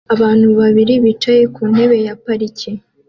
Abantu babiri bicaye ku ntebe ya parike